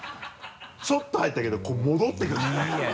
ちょっと入ったけどこう戻ってくるんでね。